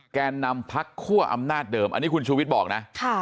แกนนำพักคั่วอำนาจเดิมอันนี้คุณชูวิทย์บอกนะ